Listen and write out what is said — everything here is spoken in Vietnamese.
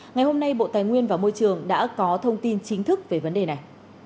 ngày hôm nay bộ tài nguyên và môi trường đã có thông tin chính thức về vấn đề này